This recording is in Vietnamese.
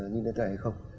như thế này hay không